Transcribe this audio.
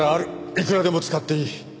いくらでも使っていい。